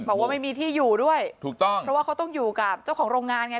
บอกว่าไม่มีที่อยู่ด้วยถูกต้องเพราะว่าเขาต้องอยู่กับเจ้าของโรงงานไง